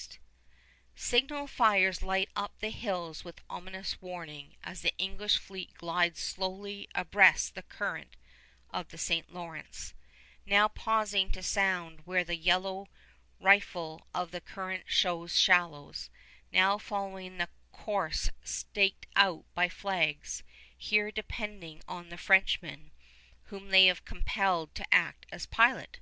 [Illustration: BOUGAINVILLE] Signal fires light up the hills with ominous warning as the English fleet glides slowly abreast the current of the St. Lawrence, now pausing to sound where the yellow riffle of the current shows shallows, now following the course staked out by flags, here depending on the Frenchman, whom they have compelled to act as pilot!